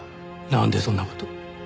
なんでそんな事。